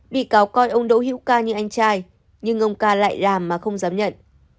bị cáo coi ông đỗ hữu ca như anh trai nhưng ông ca lại làm mà không dám nhận